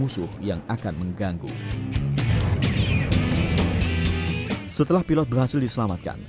setelah pilot berhasil diselamatkan